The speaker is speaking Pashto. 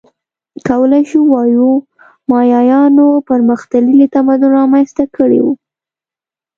کولای شو ووایو مایایانو پرمختللی تمدن رامنځته کړی و